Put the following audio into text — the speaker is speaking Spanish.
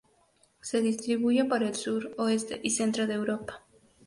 Se distribuye por el sur, oeste y centro de Europa.